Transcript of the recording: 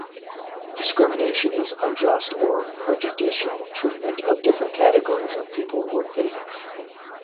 Discrimination is unjust or prejudicial treatment of different categories of people or things.